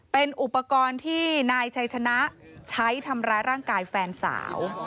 เป็นอุปกรณ์ที่นายชัยชนะใช้ทำร้ายร่างกายแฟนสาว